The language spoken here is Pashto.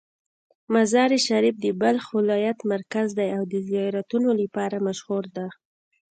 مزار شریف د بلخ ولایت مرکز دی او د زیارتونو لپاره مشهوره ده.